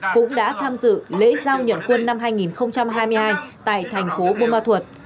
cũng đã tham dự lễ giao nhận quân năm hai nghìn hai mươi hai tại thành phố buôn ma thuột